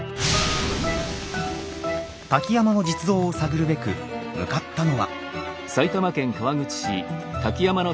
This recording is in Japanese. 瀧山の実像を探るべく向かったのは。